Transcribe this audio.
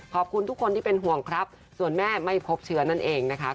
ขอบคุณทุกคนที่เป็นห่วงครับส่วนแม่ไม่พบเชื้อนั่นเองนะคะ